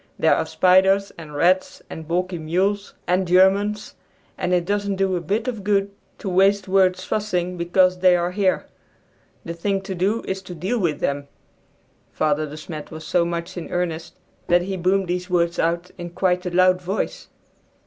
There are spiders, and rats, and balky mules, and Germans, and it doesn't do a bit of good to waste words fussing because they are here. The thing to do is to deal with them!" Father De Smet was so much in earnest that he boomed these words out in quite a loud voice.